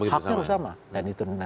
haknya harus sama